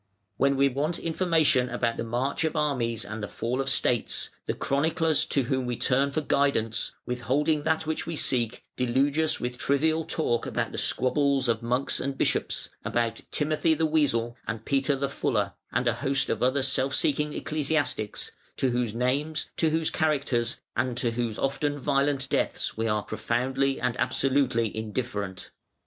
When we want information about the march of armies and the fall of States, the chroniclers to whom we turn for guidance, withholding that which we seek, deluge us with trivial talk about the squabbles of monks and bishops, about Timothy the Weasel and Peter the Fuller, and a host of other self seeking ecclesiastics, to whose names, to whose characters, and to whose often violent deaths we are profoundly and absolutely indifferent.